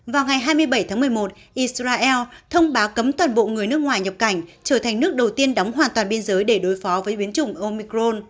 vào ngày hai mươi bảy tháng một mươi một islal thông báo cấm toàn bộ người nước ngoài nhập cảnh trở thành nước đầu tiên đóng hoàn toàn biên giới để đối phó với biến chủng omicron